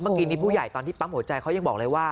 เมื่อกี้นี้ผู้ใหญ่ตอนที่ปั๊มหัวใจเขายังบอกเลยว่า